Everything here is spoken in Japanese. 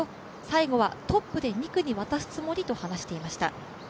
最後はトップで２区に渡すつもりと話していました。